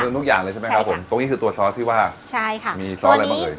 ถูกต้องค่ะใช่ค่ะใช่ค่ะตรงนี้คือตัวซอสที่ว่ามีซอสอะไรบ้างเลย